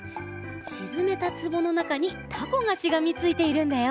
しずめたつぼのなかにタコがしがみついているんだよ。